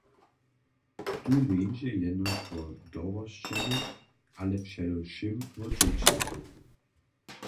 Tu njeńdźe jenož wo dorosćenych, ale předewšěm wo dźěci.